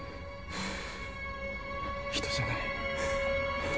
はぁ人じゃない。